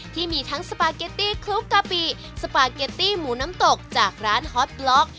ที่มีทั้งสปาเกตตี้คลุกกะปิสปาเกตตี้หมูน้ำตกจากร้านฮอตบล็อก